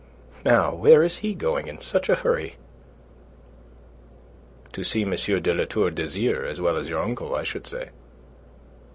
"Now where is he going in such a hurry?" "To see M. de La Tour d'Azyr as well as your uncle, I should say."